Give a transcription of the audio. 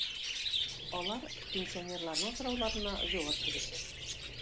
Алар пенсионерларның сорауларына җавап бирәчәк